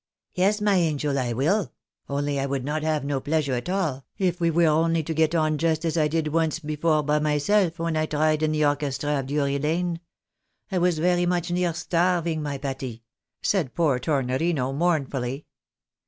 " Yes, my angel, I will ; only I would not have no pleasure at all, if we were only to get on just as I did once before myself when I tried in the orchestra of Drury Lane. I was very much near starving, my Pati !" said poor Tornorino, mournfully.